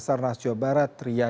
dian firmansyah purwakarta